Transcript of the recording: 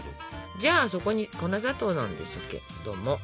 じゃあそこに粉砂糖なんですけども。